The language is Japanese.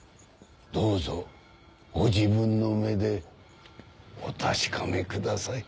どうぞご自分の目でお確かめください。